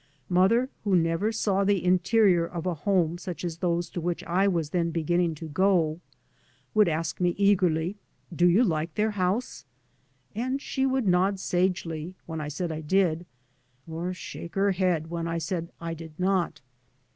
Mother, who never saw the interior of a home such as those to which I was then beginning to go, would ask me eagerly, " Do you like their house? " And she would nod sagely when I said I did, or shake her head when I said I did not.